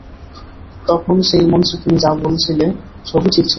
তখন সেই মঞ্চে তুমি যা বলছিলে সবই ঠিক ছিল।